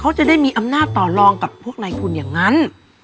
เขาจะได้มีอำนาจต่อรองกับพวกในทุนอย่างนั้น